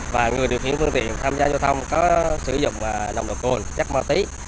và người điều khiển phương tiện tham gia giao thông có sử dụng lòng độc côn chắc ma túy